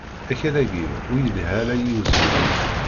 Akal-agi ur yelha ara i uzemmur